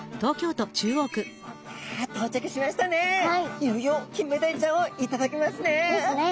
いよいよキンメダイちゃんを頂きますね。ですね！